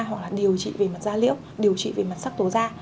hoặc là điều trị về mặt da liễu điều trị về mặt sắc tố da